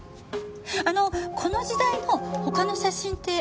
あのこの時代の他の写真ってありますか？